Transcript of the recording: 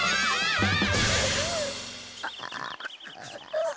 ああ。